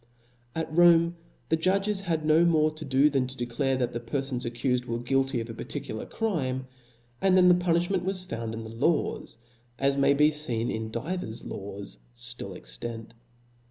At Rome the judges had no more to do than to declare, that the perfon accufed were guilty of a par • ticular crime, and then the punilhment was found in the laws, as may be leen in divers laws ftill ex tant.